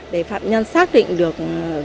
để phạm nhân xác định được